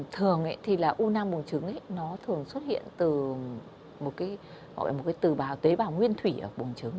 thường thì là u nang buông trứng nó thường xuất hiện từ một cái tế bào nguyên thủy ở buông trứng